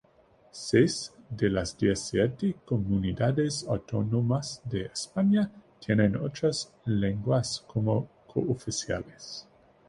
Seis de las diecisiete comunidades autónomas de España tienen otras lenguas como cooficiales.